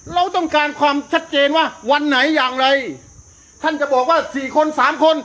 เราต้องการความชัดเจนว่าวันไหนอย่างไรท่านจะบอกว่าสี่คนสามคน